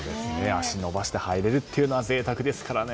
足を伸ばして入れるのは贅沢ですからね。